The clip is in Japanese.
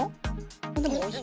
でもおいしい。